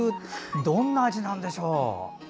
どんな味なんでしょう。